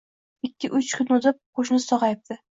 Ikki-uch kun o‘tib qo‘shnisi sog‘ayibdi